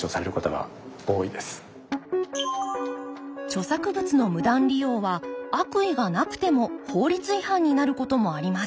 著作物の無断利用は悪意がなくても法律違反になることもあります。